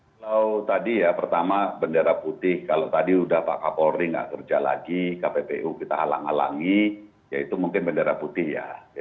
kalau tadi ya pertama bendera putih kalau tadi pak kapolri sudah tidak bekerja lagi kppu kita halang halangi ya itu mungkin bendera putih ya